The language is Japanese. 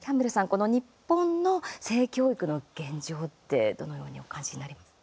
この日本の性教育の現状ってどのようにお感じになります？